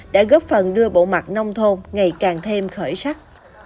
đã góp phần đưa bộ mặt nông thôn ngày càng thêm khởi sắc